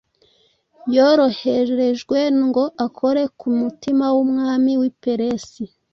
yaroherejwe ngo akore ku mutima w’umwami w’i Peresi.